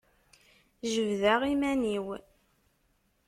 Jebdeɣ iman-iw.